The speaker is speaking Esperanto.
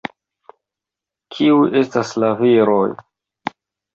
Kiu estas la viroj?